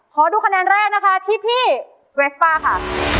ขอดูคะแนนแรกนะคะที่พี่เวสป้าค่ะ